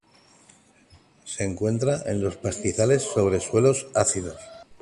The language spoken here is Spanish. Se encuentra en los pastizales sobre suelos ácidos.